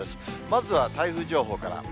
まずは台風情報から。